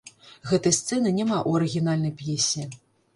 Гэтай сцэны няма ў арыгінальнай п'есе.